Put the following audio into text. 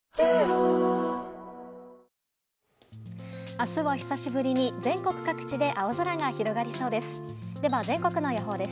明日は久しぶりに全国各地で青空が広がりそうです。